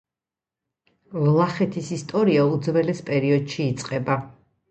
ვლახეთის ისტორია უძველეს პერიოდში იწყება.